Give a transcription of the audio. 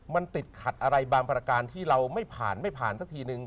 มันติดขัดอะไรบางประการที่เราไม่ผ่านไม่ผ่านสักทีนึง